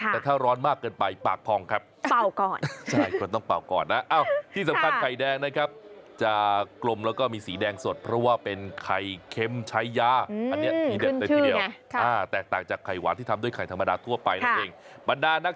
แต่ถ้าร้อนมากเกินไปปากพองครับ